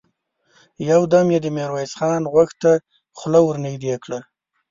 يودم يې د ميرويس خان غوږ ته خوله ور نږدې کړه!